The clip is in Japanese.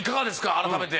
改めて。